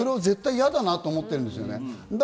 絶対イヤだなと思ってるんです。